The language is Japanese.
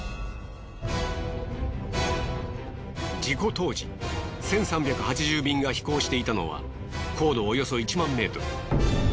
事故当時１３８０便が飛行していたのは高度およそ１万ｍ。